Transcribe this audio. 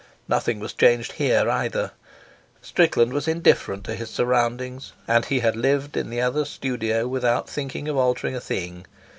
Nothing was changed here, either. Strickland was indifferent to his surroundings, and he had lived in the other's studio without thinking of altering a thing.